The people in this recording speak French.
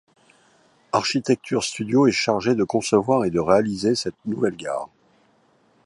Architecture-Studio est chargé de concevoir et de réaliser cette nouvelle gare.